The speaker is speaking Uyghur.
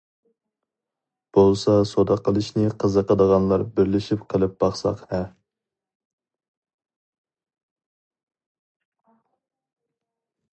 بولسا سودا قىلىشنى قىزىقىدىغانلار بىرلىشىپ قىلىپ باقساق ھە.